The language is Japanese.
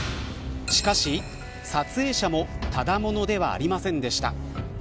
しかし撮影者もただものではありませんでした。